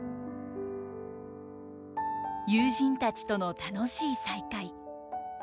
友人たちとの楽しい再会。